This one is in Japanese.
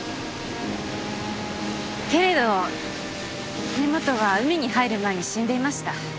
けれど根本は海に入る前に死んでいました。